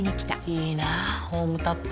いいなホームタップ。